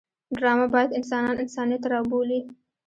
ډرامه باید انسانان انسانیت ته راوبولي